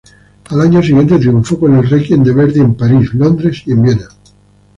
El año siguiente triunfó con el "Requiem" de Verdi en París, Londres y Viena.